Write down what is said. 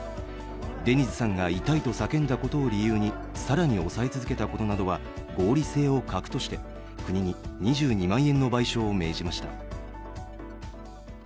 デニズさんが痛いと叫んだことを理由に更に押さえ続けたことなどは合理性を欠くとして国に２２万円の賠償を命じました。